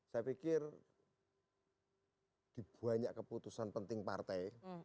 saya pikir di banyak keputusan penting partai